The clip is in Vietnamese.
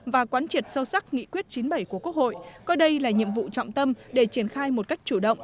và quán triệt sâu sắc nghị quyết chín mươi bảy của quốc hội coi đây là nhiệm vụ trọng tâm để triển khai một cách chủ động